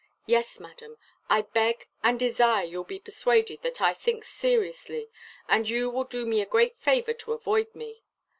Yes, Madam, I beg and desire you'll be persuaded that I think seriously, and you will do me a great favour to avoid me.